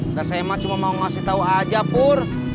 udah semat cuma mau ngasih tahu aja pur